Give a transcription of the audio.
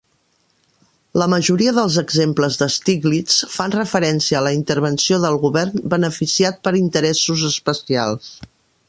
La majoria dels exemples de Stiglitz fan referència a la intervenció del Govern beneficiat per interessos especials.